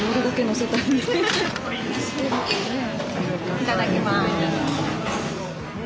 いただきます。